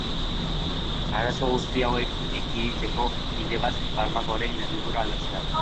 Arazo guzti hauek ekiditeko bide bat farmakoaren egitura aldatzea da.